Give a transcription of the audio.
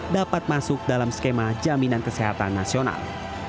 dapat masuk dalam skema jaminan kesehatan nasional